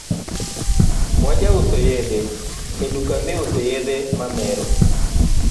Wajouso yedhe e duka miusoe yedhe mamero